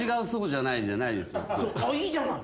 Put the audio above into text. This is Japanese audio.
あっいいじゃない！